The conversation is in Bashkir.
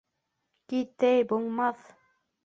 Кит әй, булмаҫ!..